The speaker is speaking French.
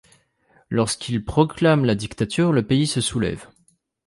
Lorsqu'il proclame la dictature, le pays se soulève.